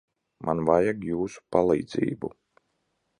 Man vajag jūsu palīdzību.